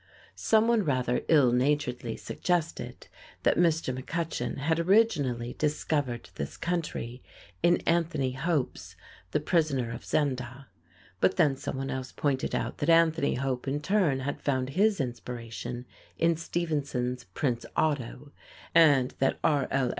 Someone rather ill naturedly suggested that Mr. McCutcheon had originally discovered this country in Anthony Hope's "The Prisoner of Zenda." But then someone else pointed out that Anthony Hope in turn had found his inspiration in Stevenson's "Prince Otto," and that R. L.